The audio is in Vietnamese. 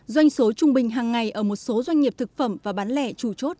doanh số trung bình hàng ngày ở một số doanh nghiệp thực phẩm và bán lẻ chủ chốt